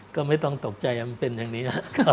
ก็ไม่ต้องตกใจมันเป็นอย่างนี้แล้ว